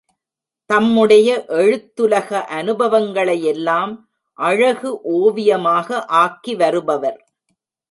தம்முடைய எழுத்துலக அனுபவங்களையெல்லாம் அழகு ஓவியமாக ஆக்கி வருபவர்.